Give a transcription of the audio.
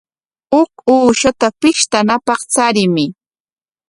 Huk uushata pishtanapaq charimuy.